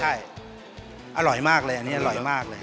ใช่อร่อยมากเลยอันนี้อร่อยมากเลย